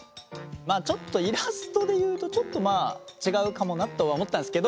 まあちょっとイラストでいうとちょっとまあ違うかもなとは思ったんですけど。